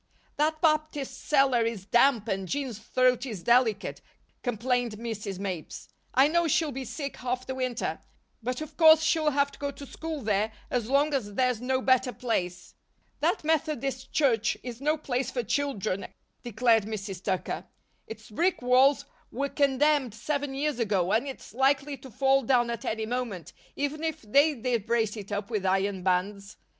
"That Baptist cellar is damp and Jean's throat is delicate," complained Mrs. Mapes. "I know she'll be sick half the winter; but of course she'll have to go to school there as long as there's no better place." "That Methodist Church is no place for children," declared Mrs. Tucker. "Its brick walls were condemned seven years ago and it's likely to fall down at any moment, even if they did brace it up with iron bands.